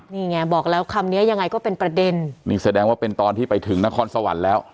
นี่ไงบอกแล้วคำเนี้ยยังไงก็เป็นประเด็นนี่แสดงว่าเป็นตอนที่ไปถึงนครสวรรค์แล้ว